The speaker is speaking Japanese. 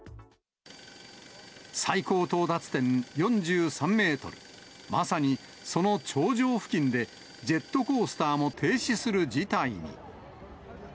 最高到達点４３メートル、まさにその頂上付近で、ジェットコースターも停止する事態に。